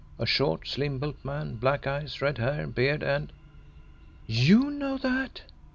A short, slim built man, black eyes, red hair, beard, and " "YOU know that!"